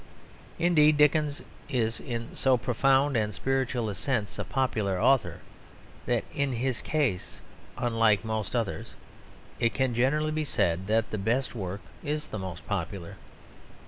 Indeed, Dickens is in so profound and spiritual a sense a popular author that in his case, unlike most others, it can generally be said that the best work is the most popular.